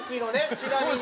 ちなみに。